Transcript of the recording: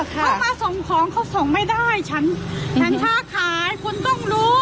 เขามาส่งของเขาส่งไม่ได้ฉันฉันค้าขายคุณต้องรู้